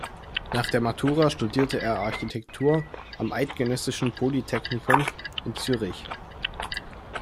Nach der Matura studierte er Architektur am Eidgenössischen Polytechnikum in Zürich.